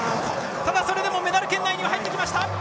ただ、それでもメダル圏内には入ってきました。